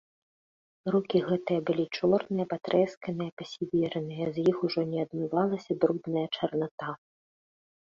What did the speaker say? Рукі гэтыя былі чорныя, патрэсканыя, пасівераныя, з іх ужо не адмывалася брудная чарната.